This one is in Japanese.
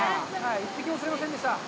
１匹も釣れませんでした。